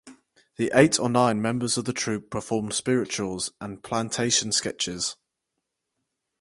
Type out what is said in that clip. The eight or nine members of the troupe performed spirituals and plantation sketches.